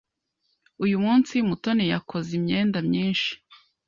Uyu munsi, Mutoni yakoze imyenda myinshi.